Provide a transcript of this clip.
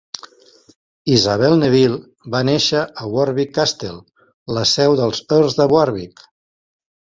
Isabel Neville va néixer a Warwick Castle, la seu dels Earls de Warwick.